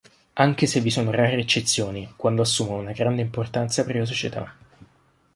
Anche se vi sono rare eccezioni, quando assumono una grande importanza per la società.